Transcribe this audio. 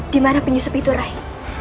di mana penyusup itu rai